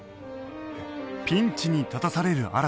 ピンチに立たされる新